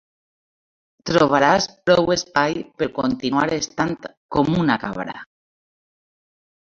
Trobaràs prou espai per continuar estant com una cabra.